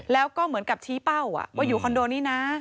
แล้วก็เหมือนกับชี้เป้าว่าอยู่คอนโดนี้นะ